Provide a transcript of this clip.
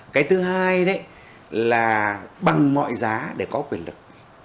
cái thứ hai đấy là bằng mọi giá để có quyền lực